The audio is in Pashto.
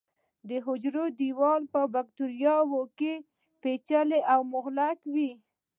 د حجروي دیوال په باکتریاوو کې پېچلی او مغلق وي.